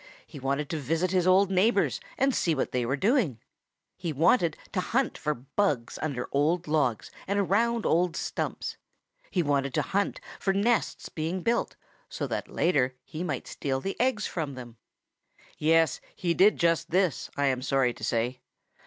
He wanted to visit his old neighbors and see what they were doing. He wanted to hunt for bugs under old logs and around old stumps. He wanted to hunt for nests being built, so that later he might steal the eggs from them. Yes, he did just this, I am sorry to say.